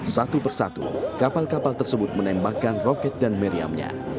satu persatu kapal kapal tersebut menembakkan roket dan meriamnya